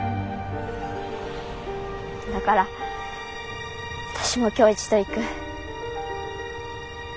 だからあたしも今日一と行く。